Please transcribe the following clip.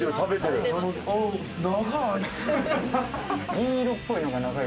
銀色っぽいのが長い。